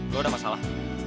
gue udah masalah